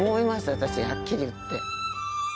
私はっきり言って。